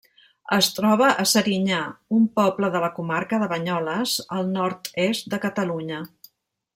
Es troba a Serinyà, un poble de la comarca de Banyoles, al nord-est de Catalunya.